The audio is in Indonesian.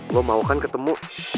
lo mau kan ketemu